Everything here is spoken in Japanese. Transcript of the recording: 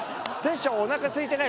煌翔おなかすいてない？